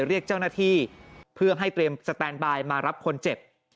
เรียกเจ้าหน้าที่เพื่อให้เตรียมสแตนบายมารับคนเจ็บ